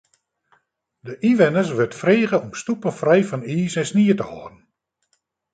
De ynwenners wurdt frege om stoepen frij fan iis en snie te hâlden.